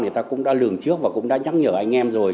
người ta cũng đã lường trước và cũng đã nhắc nhở anh em rồi